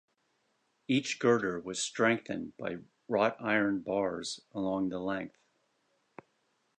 Each girder was strengthened by wrought iron bars along the length.